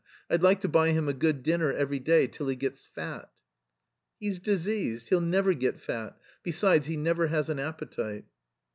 " I'd like to buy him a good dinner every day till ht gets fat." "He's diseased. He'll never get fat — besides, he never has an appetite."